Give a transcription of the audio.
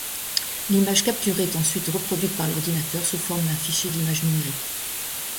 L’image capturée est ensuite reproduite par l’ordinateur sous forme d’un fichier d’image numérique.